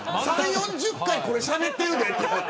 ３０、４０回これしゃべってるで。